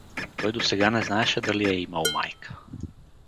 Той досега не знаеше дали е имал майка.